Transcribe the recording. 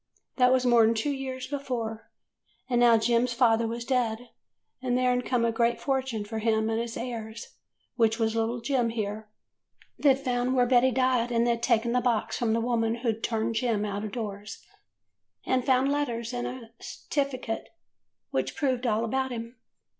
That was more 'n two years before. And now Jem's father was dead, and there 'd come a great fortune for him and his heirs, which was little Jem here. They 'd found where Betty died, and they 'd taken the box from the woman who turned Jem out of doors, and found letters and a 'stificate which proved all about him.